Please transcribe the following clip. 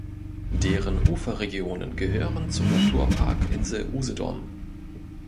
Deren Uferregionen gehören zum Naturpark Insel Usedom.